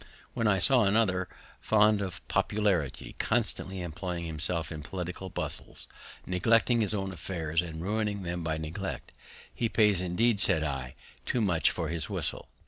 When I saw another fond of popularity, constantly employing himself in political bustles, neglecting his own affairs, and ruining them by neglect, He pays, indeed, said I, too much for his whistle.